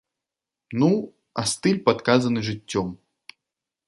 Ну, а стыль падказаны жыццём.